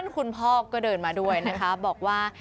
คุณพอก็เดินมาบอกว่า